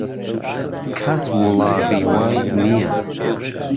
کهس وڵاغی وای نییه